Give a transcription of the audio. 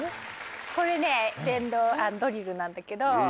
これね電動ドリルなんだけど。